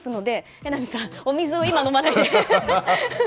榎並さん、お水を今飲まないで。